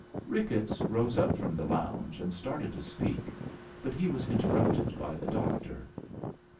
Ricketts rose up from the lounge, and started to speak, but he was interrupted by the doctor.